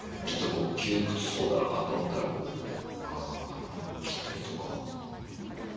ちょっと窮屈そうだなと思ったら切ったりとか。